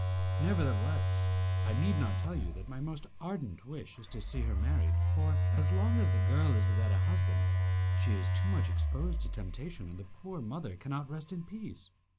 Nevertheless, I need not tell you that my most ardent wish is to see her married, for, as long as a girl is without a husband, she is too much exposed to temptation, and the poor mother cannot rest in peace."